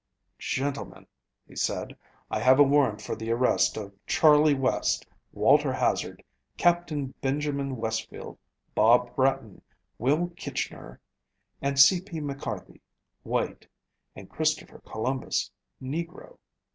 "Gentlemen," he said, "I have a warrant for the arrest of Charley West, Walter Hazard, Capt. Benjamin Westfield, Bob Bratton, Will Kitchner and C. P. McCarty (white), and Christopher Columbus (negro)."